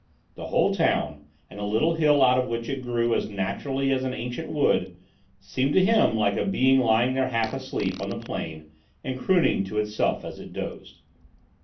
The whole town, and the little hill out of which it grew as naturally as an ancient wood, seemed to him like a being lying there half asleep on the plain and crooning to itself as it dozed.